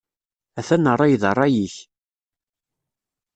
Atan rray d rray-ik.